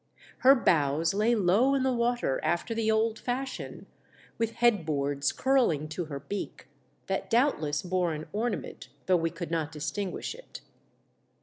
Her bows lay low in the water after the old fashion, with head boards curling to her beak, that doubtless bore an ornament, though we could not distinguish it.